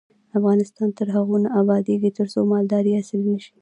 افغانستان تر هغو نه ابادیږي، ترڅو مالداري عصري نشي.